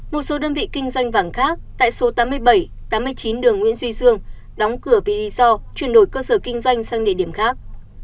một số đơn vị kinh doanh vàng khác tại số tám mươi bảy tám mươi chín đường nguyễn duy dương đóng cửa vì lý do chuyển đổi cơ sở kinh doanh sang địa điểm khác